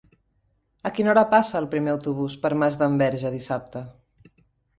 A quina hora passa el primer autobús per Masdenverge dissabte?